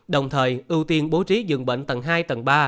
đồng thời ưu tiên bố trí dường bệnh tầng hai tầng ba